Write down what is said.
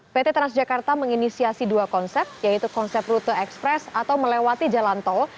pt transjakarta menginisiasi dua konsep yaitu konsep rute ekspres atau melewati jalan tol